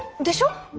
でしょ？